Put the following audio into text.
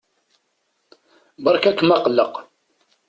Beṛka-kem aqelleq.